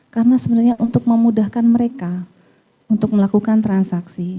karena sebenarnya untuk memudahkan mereka untuk melakukan transaksi